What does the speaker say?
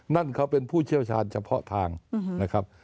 นั่นเขาเป็นผู้เชี่ยวชาญเฉพาะทางนะครับ